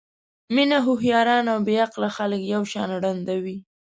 مینه هوښیاران او بې عقله خلک یو شان ړندوي.